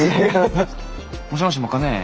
もしもしもか姉？